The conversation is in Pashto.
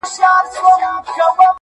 چي تر پام دي ټول جهان جانان جانان سي,